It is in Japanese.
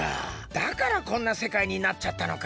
だからこんなせかいになっちゃったのか。